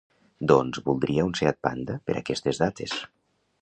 Doncs voldria un Seat Panda per aquestes dates.